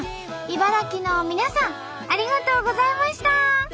茨城の皆さんありがとうございました！